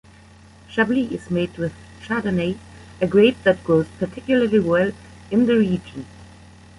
Chablis is made with Chardonnay, a grape that grows particularly well in the region.